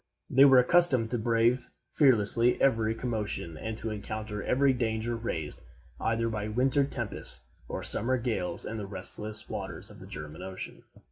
They were accustomed to brave fearlessly every commotion and to encounter every danger raised either by winter tempests or summer gales in the restless waters of the German Ocean.